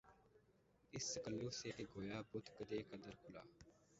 اس تکلف سے کہ گویا بت کدے کا در کھلا